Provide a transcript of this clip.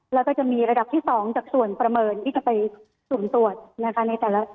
แล้วก็จะมีระดับที่๒จากส่วนประเมินที่จะไปสุ่มตรวจนะคะในแต่ละ